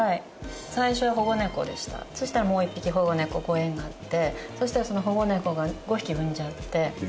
最初は保護猫でしたそしたらもう１匹保護猫ご縁があってそしたらその保護猫が５匹産んじゃって。